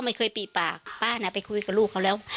ปีปากป้าน่ะไปคุยกับลูกเขาแล้ว